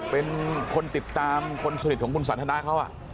เป็นคนติดตามคนสนิทของคุณสันทนาเขา